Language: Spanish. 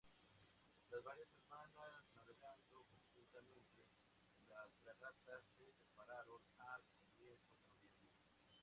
Tras varias semanas navegando conjuntamente, las fragatas se separaron a comienzos de noviembre.